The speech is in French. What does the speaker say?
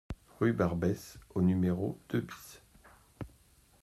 Rue Barbès au numéro deux BIS